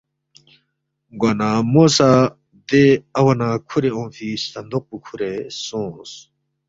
گوا نہ مو سہ دے اوا نہ کُھورے اونگفی صندوق پو کُھورے سونگس